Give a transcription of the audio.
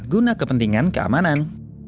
guna kepentingan keamanan